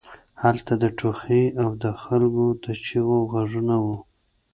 هلته د ټوخي او د خلکو د چیغو غږونه وو